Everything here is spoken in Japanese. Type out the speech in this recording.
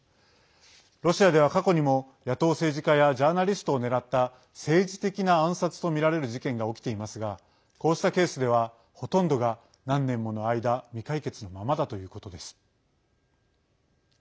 ロシアでは過去にも野党政治家やジャーナリストを狙った政治的な暗殺とみられる事件が起きていますがこうしたケースでは、ほとんどが何年もの間未解決のままだということです。